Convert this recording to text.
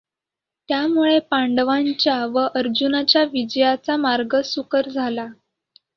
त्यामुळे पांडवांच्या व अर्जुनाच्या विजयाचा मार्ग सुकर झाला.